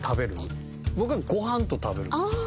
僕はご飯と食べるんですよ。